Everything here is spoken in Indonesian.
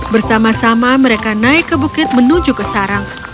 bersama sama mereka naik ke bukit menuju ke sarang